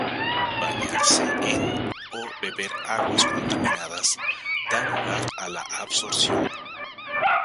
Bañarse en o beber aguas contaminadas da lugar a la absorción.